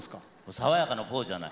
爽やかなポーズじゃない！